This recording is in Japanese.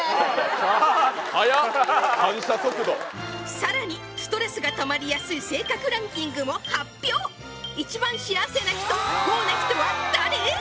さらにストレスがたまりやすい性格ランキングも発表一番幸せな人不幸な人は誰？